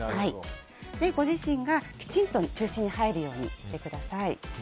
ご自身がきちんと中心に入るようにしてください。